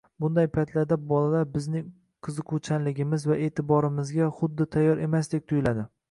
Bunday paytlarda bolalar bizning qiziquvchanligimiz va eʼtiborimizga xuddi tayyor emasdek tuyuladi.